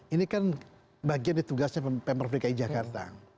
ini kan bagian di tugasnya pembangunan pendidikan jakarta